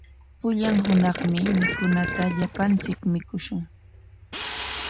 Pullan hunaqmi mikunata llapanchik mikushun.